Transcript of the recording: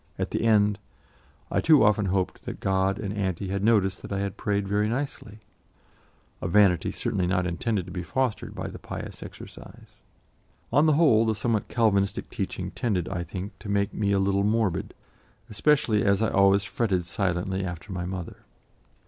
at the end, I too often hoped that God and Auntie had noticed that I prayed very nicely a vanity certainly not intended to be fostered by the pious exercise. On the whole, the somewhat Calvinistic teaching tended, I think, to make me a little morbid, especially as I always fretted silently after my mother.